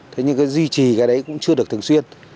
thế nhưng cái duy trì cái đấy cũng chưa được thường xuyên